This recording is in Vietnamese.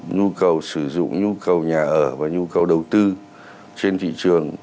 nhu cầu sử dụng nhu cầu nhà ở và nhu cầu đầu tư trên thị trường